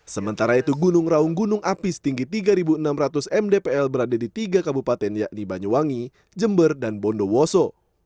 sementara itu gunung raung gunung api setinggi tiga enam ratus mdpl berada di tiga kabupaten yakni banyuwangi jember dan bondowoso